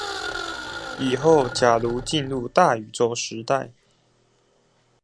以後假如進入大宇宙時代